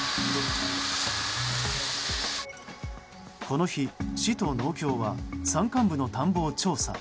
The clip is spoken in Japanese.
この日、市と農協は山間部の田んぼを調査。